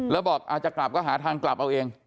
แล้วบอกอาจจะกลับก็หาทางกลับเอาเอง